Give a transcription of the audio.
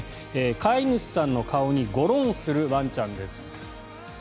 飼い主さんの顔にゴロンするワンちゃんです。